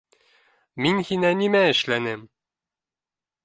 — Мин һиңә нимә эшләнем?